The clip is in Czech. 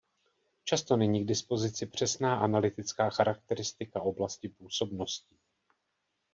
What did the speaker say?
Často není k dispozici přesná analytická charakteristika oblasti působnosti.